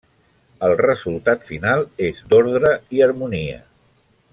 El resultat final és d'ordre i harmonia.